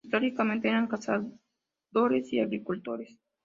Históricamente, eran cazadores y agricultores.